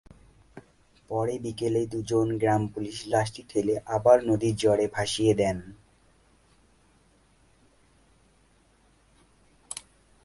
পরে বিকেলে দুজন গ্রাম পুলিশ লাশটি ঠেলে আবার নদীর জোয়ারে ভাসিয়ে দেন।